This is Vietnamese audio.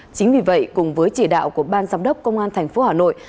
chính vì vậy cùng với chỉ đạo của ban giám đốc công an tp hà nội